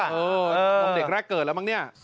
นมเด็กแรกเกิดแล้วบ้างนี่